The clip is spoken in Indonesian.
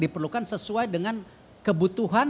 diperlukan sesuai dengan kebutuhan